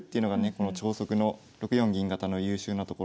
この超速の６四銀型の優秀なところなんですけど。